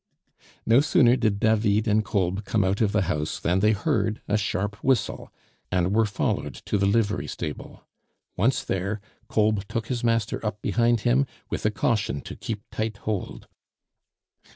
No sooner did David and Kolb come out of the house than they heard a sharp whistle, and were followed to the livery stable. Once there, Kolb took his master up behind him, with a caution to keep tight hold.